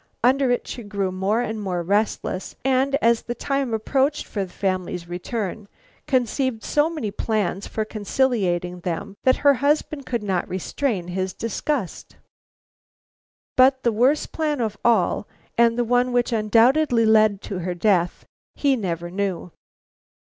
Under it she grew more and more restless, and as the time approached for the family's return, conceived so many plans for conciliating them that her husband could not restrain his disgust. But the worst plan of all and the one which undoubtedly led to her death, he never knew.